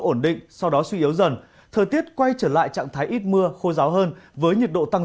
ổn định sau đó suy yếu dần thời tiết quay trở lại trạng thái ít mưa khô ráo hơn với nhiệt độ tăng